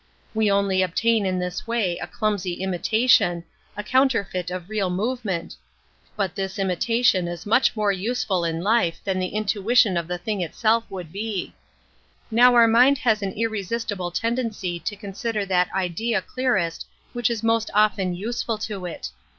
We only obtain in this way a clumsy imitation, a counterfeit of real movement, but this imita Bpoi Metaphysics 53 tion is much more useful in life than the intuition of the thing itself would be. Now our mind haa an irresistible tendency to consider that idea clearest which is most often useful to it.